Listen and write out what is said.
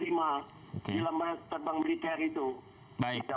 di mana dia menerima dalam terbang militer itu itu itu